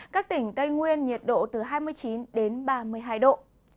các tỉnh tây nguyên nhiệt độ từ hai mươi chín đến ba mươi hai độ